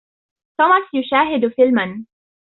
توماس يشاهد فيلماً.